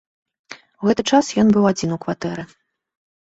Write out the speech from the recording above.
У гэты час ён быў адзін у кватэры.